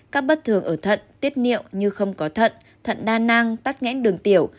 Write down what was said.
các bất thường ở thận tiết niệu như không có thận thận đa năng tắc ngãn đường tiểu